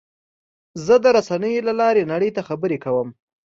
زه د رسنیو له لارې نړۍ ته خبرې کوم.